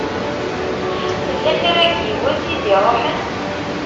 Tella kra n yiwet i d-iṛuḥen?